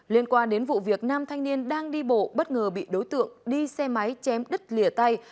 liên quan đến vụ việc năm thanh niên đang đi bộ bất ngờ bị đối tượng đi xe máy chém đứt lìa tay